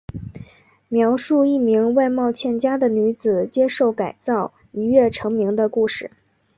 描述一名外貌欠佳的女子接受改造一跃成名的故事。